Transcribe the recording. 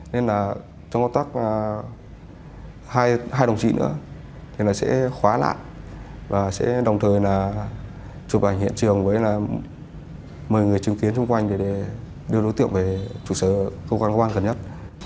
nên là trong cộng tác hai đồng chí nữa thì là sẽ khóa lạc và sẽ đồng thời là chụp ảnh hiện trường với là mời người chứng kiến xung quanh để đưa đối tượng về chủ sở công an hà nội gần nhất